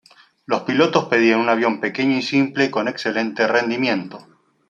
Los pilotos pedían un avión pequeño y simple con excelente rendimiento.